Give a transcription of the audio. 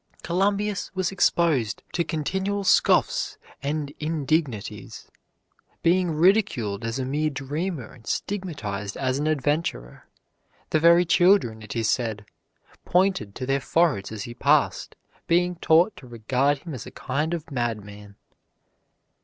Columbus was exposed to continual scoffs and indignities, being ridiculed as a mere dreamer and stigmatized as an adventurer. The very children, it is said, pointed to their foreheads as he passed, being taught to regard him as a kind of madman.